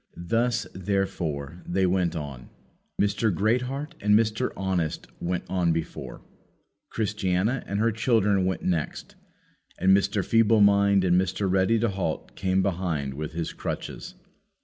Thus, therefore, they went on. Mr. Greatheart and Mr. Honest went on before, Christiana and her children went next, and Mr. Feeble mind and Mr. Ready to halt came behind with his crutches.